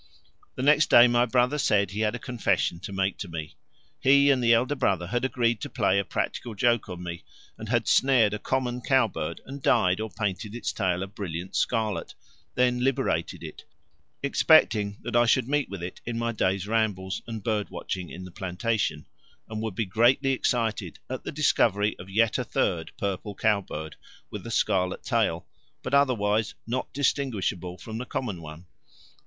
The next day my brother said he had a confession to make to me. He and the elder brother had agreed to play a practical joke on me, and had snared a common cowbird and dyed or painted its tail a brilliant scarlet, then liberated it, expecting that I should meet with it in my day's rambles and bird watching in the plantation and would be greatly excited at the discovery of yet a third purple cowbird, with a scarlet tail, but otherwise not distinguishable from the common one.